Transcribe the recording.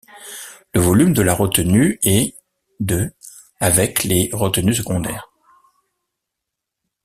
Le volume de la retenue est de avec les retenues secondaires.